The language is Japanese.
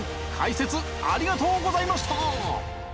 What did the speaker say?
解説ありがとうございました！